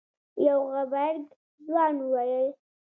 يو غبرګ ځوان وويل.